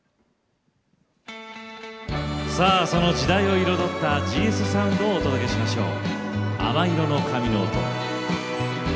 さあその時代を彩ったＧＳサウンドをお届けしましょう。